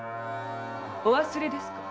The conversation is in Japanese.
お忘れですか？